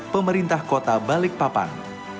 pemerintah kota balikpapan